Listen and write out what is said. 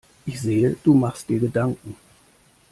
Ich sehe, du machst dir Gedanken.